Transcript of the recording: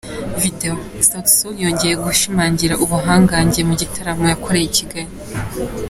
Video: Sauti Sol yongeye gushimangira ubuhangange mu gitaramo yakoreye i Kigali.